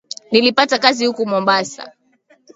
Nilipata kazi huku mombasa